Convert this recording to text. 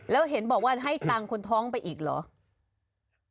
แล้วเห็นบอกว่าให้ตังค์คนท้องไปอีกเหรอ